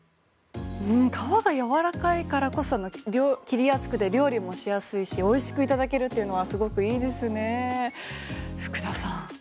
皮が柔らかいからこそ切りやすく料理もしやすいし美味しくいただけるっていうのはすごくいいですね。